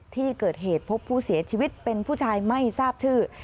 ที่เกิดเหตุพบผู้เสียชีวิตเป็นผู้ชายไม่ทราบชื่อ